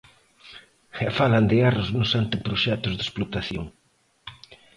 E falan de erros nos anteproxectos de explotación.